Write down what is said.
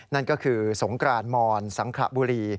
นั่นก็คือสงกรานมอนสังขระบุรี